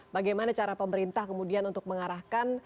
bagaimana cara pemerintah kemudian untuk mengarahkan